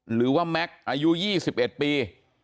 หรือว่าแม็กซ์อายุ๒๑ปี